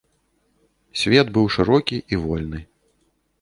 Свет быў шырокі і вольны.